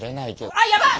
あっやばい！